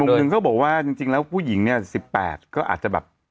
แล้วนึงก็บอกว่าจริงแล้วผู้หญิงเป็น๑๘ก็อาจจะแบบ